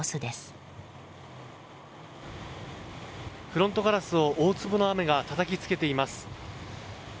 フロントガラスを大粒の雨がたたきつけています。